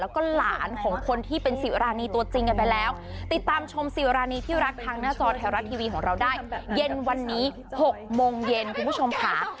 นั้นคือนั้นอันที่จำได้นะฮะ